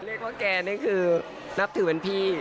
แกว่าแกนี่คือนับถือเป็นพี่